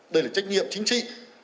đây là trách nhiệm chính trị